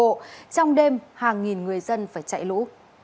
trong đêm hàng nghìn người dân phải chạy lũ